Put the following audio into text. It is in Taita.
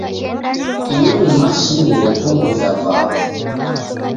Io ni mashini repunguza vaghu.